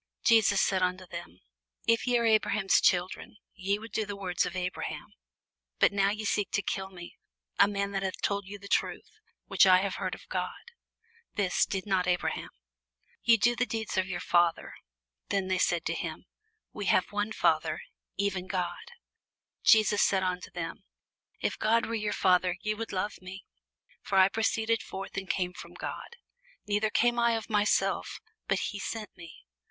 Jesus saith unto them, If ye were Abraham's children, ye would do the works of Abraham. But now ye seek to kill me, a man that hath told you the truth, which I have heard of God: this did not Abraham. Ye do the deeds of your father. Then said they to him, We have one Father, even God. Jesus said unto them, If God were your Father, ye would love me: for I proceeded forth and came from God; neither came I of myself, but he sent me.